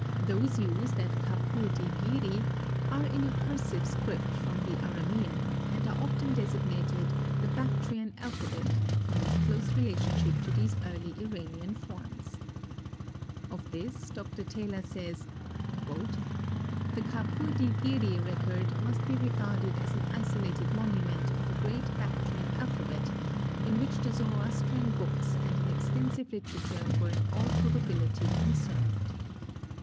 Those used at Kapur di giri are in a cursive script from the Aramean, and are often designated "the Bactrian alphabet," from its close relationship to these early Iranian forms. Of this, Dr. Taylor says: "The Kapur di giri record must be regarded as an isolated monument of a great Bactrian alphabet, in which the Zoroasterian books and an extensive literature were in all probability conserved."